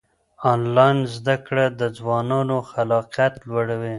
آنلاین زده کړه د ځوانانو خلاقیت لوړوي.